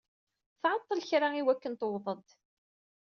Tɛeṭṭel kra i wakken tewweḍ-d.